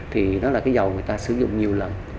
thì đó là cái dầu người ta sử dụng nhiều lần